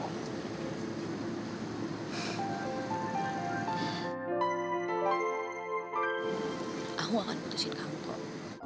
aku akan putusin kamu kok